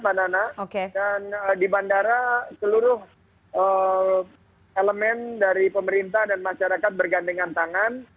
dan di bandara seluruh elemen dari pemerintah dan masyarakat bergandengan tangan